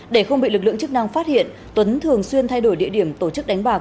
để không bị lực lượng chức năng phát hiện tuấn thường xuyên thay đổi địa điểm tổ chức đánh bạc